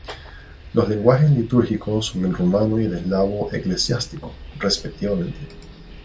Los lenguajes litúrgicos son el rumano y el eslavo eclesiástico, respectivamente.